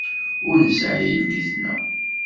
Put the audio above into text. Ur nesɛi yelli-tneɣ.